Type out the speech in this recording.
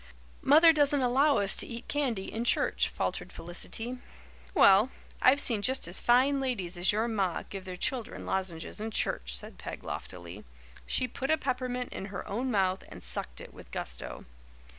"Mother doesn't allow us to eat candy in church," faltered Felicity. "Well, I've seen just as fine ladies as your ma give their children lozenges in church," said Peg loftily. She put a peppermint in her own mouth and sucked it with gusto.